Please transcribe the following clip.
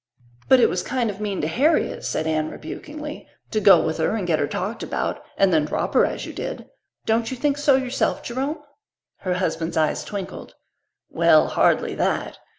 "But it was kind of mean to Harriet," said Anne rebukingly, "to go with her and get her talked about and then drop her as you did. Don't you think so yourself, Jerome?" Her husband's eyes twinkled. "Well, hardly that.